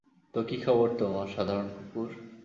তো, কী খবর তোমার, সাধারণ কুকুর?